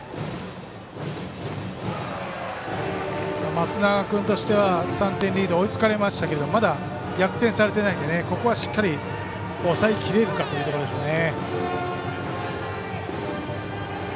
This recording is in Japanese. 松永君としては３点リードが追いつかれましたけどまだ逆転されていないのでここは、しっかり抑えきれるかというところですね。